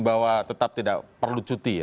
bahwa tetap tidak perlu cuti ya